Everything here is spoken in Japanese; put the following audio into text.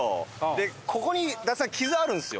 でここに伊達さん傷あるんですよ。